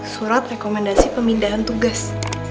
surat rekomendasi pemindahan tugas